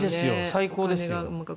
最高ですよ。